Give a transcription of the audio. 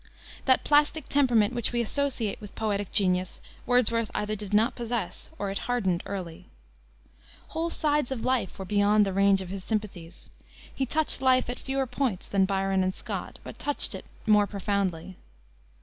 That plastic temperament which we associate with poetic genius Wordsworth either did not possess, or it hardened early. Whole sides of life were beyond the range of his sympathies. He touched life at fewer points than Byron and Scott, but touched it more profoundly.